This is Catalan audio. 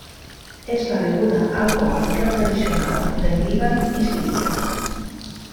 És la beguda alcohòlica tradicional del Líban i Síria.